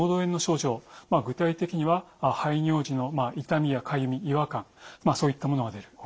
具体的には排尿時の痛みやかゆみ違和感そういったものが出る。